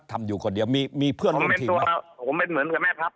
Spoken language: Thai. ทำอยู่คนเดียวมีมีเพื่อนผมเป็นตัวผมเป็นเหมือนกับแม่พับ